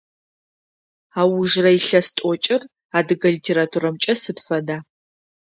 Аужрэ илъэс тӏокӏыр адыгэ литературэмкӏэ сыд фэда?